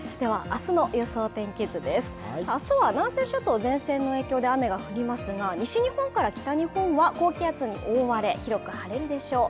明日は南西諸島、前線の影響で雨が降りますが、西日本から北日本は高気圧に覆われ、広く晴れるでしょう。